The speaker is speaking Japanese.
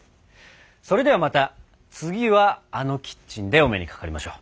それではまた次はあのキッチンでお目にかかりましょう。